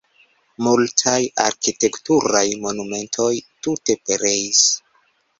Multaj arkitekturaj monumentoj tute pereis.